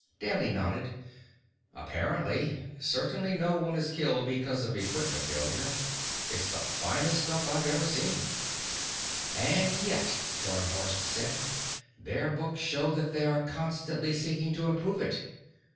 Danley nodded. "Apparently. Certainly no one is killed because of equipment failure. It's the finest stuff I've ever seen." "And yet," Tarnhorst said, "their books show that they are constantly seeking to improve it."